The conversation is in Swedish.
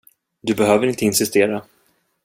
Du behöver inte insistera.